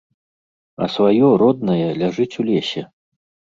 А сваё, роднае, ляжыць у лесе!